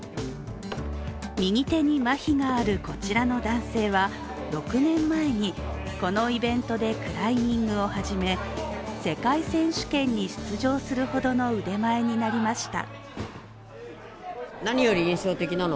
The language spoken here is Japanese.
右手にまひがあるこちらの男性は６年前にこのイベントでクライミングを始め世界選手権に出場するほどの腕前になりました